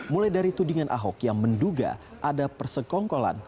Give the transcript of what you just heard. mulai dari tudingan ahok yang menduga ada persekongkolan